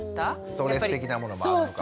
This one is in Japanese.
ストレス的なものもあるのかもしれない。